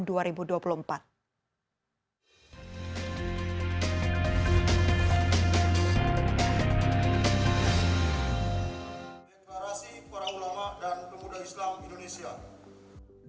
deklarasi para ulama dan pemuda islam indonesia